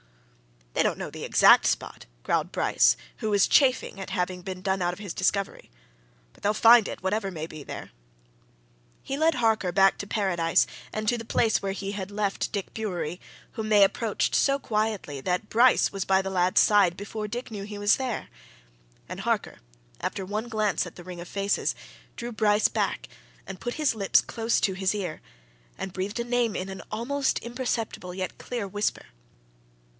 "They don't know the exact spot," growled Bryce, who was chafing at having been done out of his discovery. "But, they'll find it, whatever may be there." He led Harker back to Paradise and to the place where he had left Dick Bewery, whom they approached so quietly that Bryce was by the lad's side before Dick knew he was there. And Harker, after one glance at the ring of faces, drew Bryce back and put his lips close to his ear and breathed a name in an almost imperceptible yet clear whisper.